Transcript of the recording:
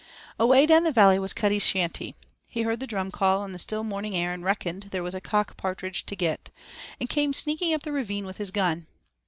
Away down the valley was Cuddy's shanty. He heard the drum call on the still morning air and 'reckoned there was a cock patridge to git,' and came sneaking up the ravine with his gun.